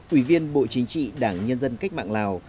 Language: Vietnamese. ủy viên bộ chính trị đảng nhân dân cách mạng lào